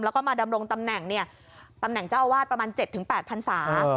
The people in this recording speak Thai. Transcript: แล้วก็มาดำรงตำแหน่งตำแหน่งเจ้าอาวาสประมาณ๗๘พันศา